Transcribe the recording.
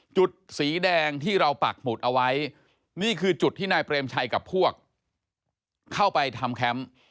จุดสีแดงที่เราปักหมุดเอาไว้นี่คือจุดที่นายเปรมชัยกับพวกเข้าไปทำแคมป์